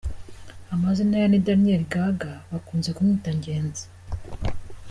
Amazina ye ni Daniel Gaga bakunze kumwita Ngezi.